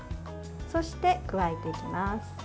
そして加えていきます。